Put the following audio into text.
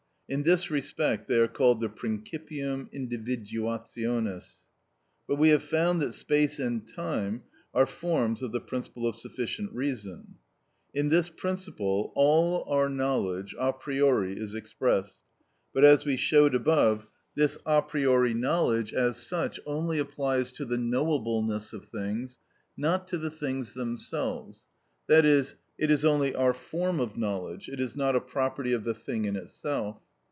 In this respect they are called the principium individuationis. But we have found that space and time are forms of the principle of sufficient reason. In this principle all our knowledge a priori is expressed, but, as we showed above, this a priori knowledge, as such, only applies to the knowableness of things, not to the things themselves, i.e., it is only our form of knowledge, it is not a property of the thing in itself.